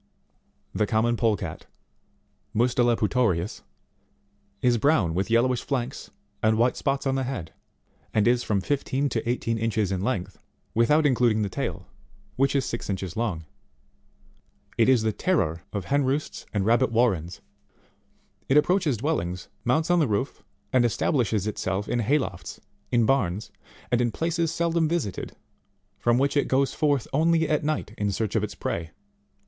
19. The common Polecat, Mustela Putorivs, is brown with yellowish flanks and white spots on the head, and is from fifteen to eighteen inches in length, without including the tail, which is six inches long. It is the terror of hen roosts and rabbit warrens. It approaches dwellings, mounts on the roofs, and establishes it self in hay lofts, in barns, and in places seldom visited, from which it goes forth only at night in search of its prey.